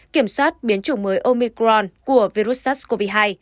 kiểm soát biến chủng mới omicron của virus sars cov hai